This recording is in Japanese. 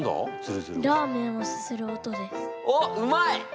おっうまい！